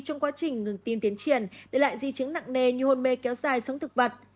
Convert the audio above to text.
trong quá trình ngừng tim tiến triển để lại di chứng nặng nề như hôn mê kéo dài sống thực vật